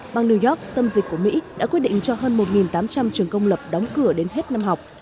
bằng new york tâm dịch của mỹ đã quyết định cho hơn một tám trăm linh trường công lập đóng cửa đến hết năm học